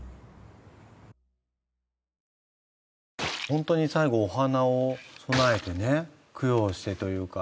ホントに最後お花を供えてね供養してというか。